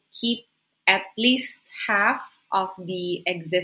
mereka ingin menjaga setidaknya